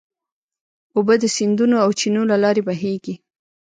اوبه د سیندونو او چینو له لارې بهېږي.